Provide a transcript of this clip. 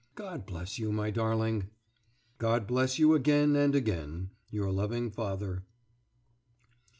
God bless you, my darling! ... God bless you again and again! Your loving father.